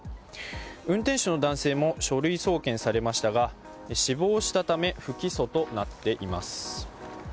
運転手の男性も書類送検されましたが死亡したため不起訴となっています。